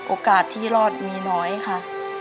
โอกาสที่รอดมีน้อยค่ะ